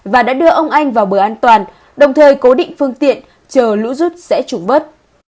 và đã đưa ông anh vào bờ an toàn đồng thời cố định phương tiện chờ lũ rút sẽ trùm bớt